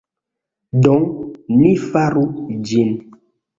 Do, ni faru ĝin